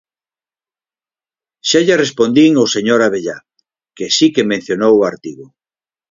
Xa lle respondín ao señor Abellá que si que mencionou o artigo.